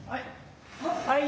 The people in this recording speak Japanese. ・はい。